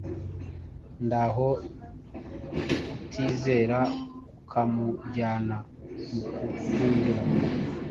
naho kutizera kukamujyana mu kutumvira